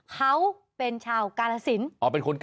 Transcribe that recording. เขาเป็นชาวกาลสิน